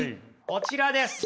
こちらです。